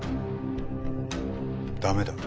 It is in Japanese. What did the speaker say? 駄目だ。